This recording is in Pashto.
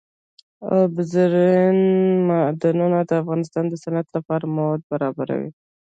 اوبزین معدنونه د افغانستان د صنعت لپاره مواد برابروي.